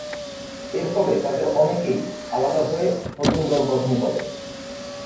এর ফলে তাদের অনেকেই আলাদা হয়ে নতুন দল গঠন করে।